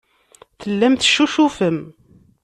Tellam teccucufem.